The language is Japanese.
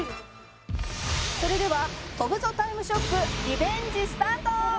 「それでは“飛ぶぞタイムショック”リベンジスタート！」